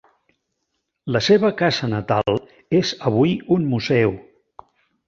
La seva casa natal és avui un museu.